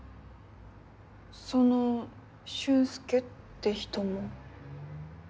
その俊介って人も？